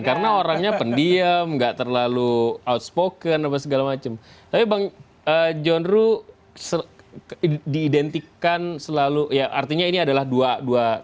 karena orangnya pendiem nggak terlalu outspoken apa segala macem tapi bang jonro diidentifikan selalu ya artinya ini adalah dua bidangnya sekali